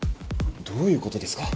どういうことですか？